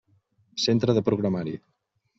Centre de programari.